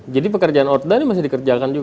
jadi pekerjaan oda ini masih dikerjakan